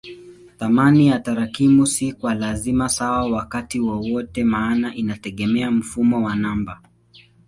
Thamani ya tarakimu si kwa lazima sawa wakati wowote maana inategemea mfumo wa namba.